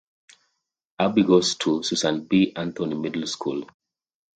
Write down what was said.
Abby goes to Susan B. Anthony Middle School.